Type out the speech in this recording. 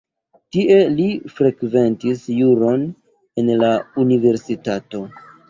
Tie li frekventis juron en la universitato.